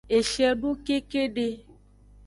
Eshiedo kekede.